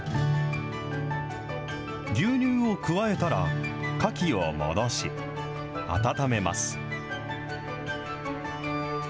牛乳を加えたらかきを戻し、温めます。